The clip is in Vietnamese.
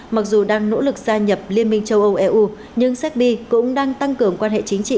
mặc dù đang nỗ lực gia nhập liên minh châu âu eu nhưng serbi cũng đang tăng cường quan hệ chính trị